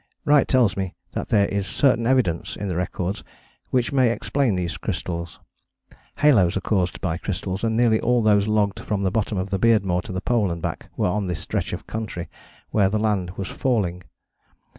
Wright tells me that there is certain evidence in the records which may explain these crystals. Halos are caused by crystals and nearly all those logged from the bottom of the Beardmore to the Pole and back were on this stretch of country, where the land was falling.